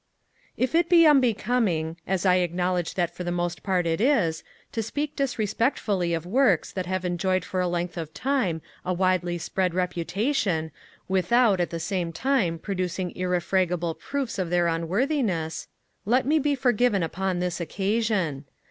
If it be unbecoming, as I acknowledge that for the most part it is, to speak disrespectfully of Works that have enjoyed for a length of time a widely spread reputation, without at the same time producing irrefragable proofs of their unworthiness, let me be forgiven upon this occasion.